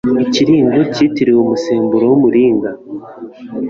Ikiringo cyitiriwe umusemburo wumuringa